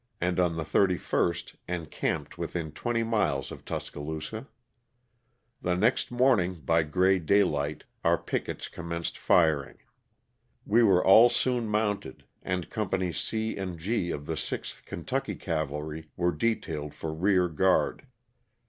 and on the 31st encamped within twenty miles of Tus caloosa. The next morning, by gray daylight, our pickets commenced firing. We were all soon mounted, and Companies and Gr of the 6th Kentucky Cavalry were detailed for rear guard.